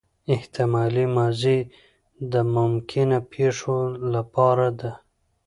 احتمالي ماضي د ممکنه پېښو له پاره ده.